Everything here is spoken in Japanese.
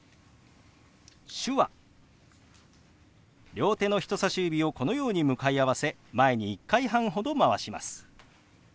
両手の人さし指をこのように向かい合わせ前に１回半ほどまわします。